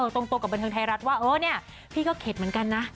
ตรงกับบันเทิงไทยรัฐว่าเออเนี่ยพี่ก็เข็ดเหมือนกันนะ